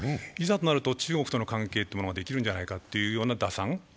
いざというと中国との関係ができるんじゃないかというような打算。